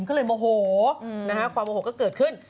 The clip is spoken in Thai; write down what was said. ก็เลยโมโหความโมโหก็เกิดขึ้น